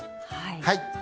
はい。